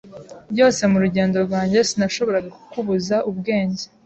Byose murugendo rwanjye sinashoboraga kukubuza ubwenge.